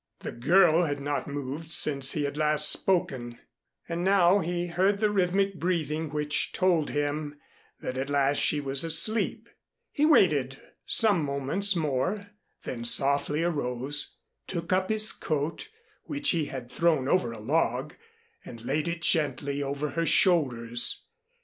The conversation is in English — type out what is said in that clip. The girl had not moved since he had last spoken, and now he heard the rhythmic breathing which told him that at last she was asleep. He waited some moments more, then softly arose, took up his coat, which he had thrown over a log, and laid it gently over her shoulders.